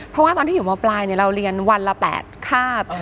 เพราะว่าตอนที่อยู่มปลายเราเรียนวันละ๘คาบ